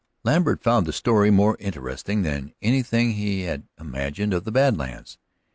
Lambert found the story more interesting than anything he ever had imagined of the Bad Lands.